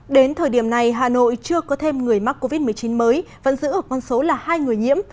đến thời điểm này hà nội chưa có thêm người mắc covid một mươi chín mới vẫn giữ ở con số là hai người nhiễm